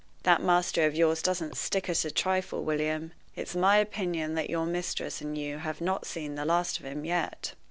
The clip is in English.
That master of yours doesn't stick at a trifle, William. It's my opinion that your mistress and you have not seen the last of him yet."